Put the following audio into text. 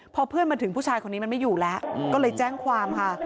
พอเพื่อนมาถึงผู้ชายคนนี้มันไม่อยู่แล้วก็เลยแจ้งความค่ะ